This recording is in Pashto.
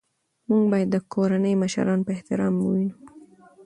موږ باید د کورنۍ مشران په احترام ووینو